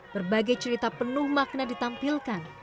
berbagai cerita penuh makna ditampilkan